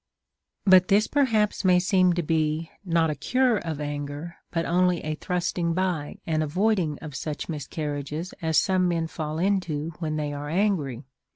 12. But this perhaps may seem to be not a cure of anger, but only a thrusting by and avoiding of such mis carriages as some men fall into when they are angry.